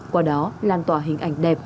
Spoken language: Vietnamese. qua đó làn tỏa hình ảnh đẹp